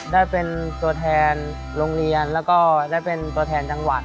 ได้เป็นตัวแทนโรงเรียนแล้วก็ได้เป็นตัวแทนจังหวัด